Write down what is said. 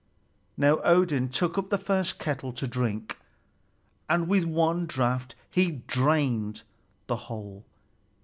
Now Odin took up the first kettle to drink, and with one draught he drained the whole.